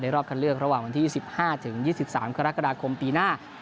รอบคันเลือกระหว่างวันที่๑๕๒๓กรกฎาคมปีหน้า